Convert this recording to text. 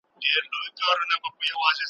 تور او سپین او سره او شنه یې وه رنګونه .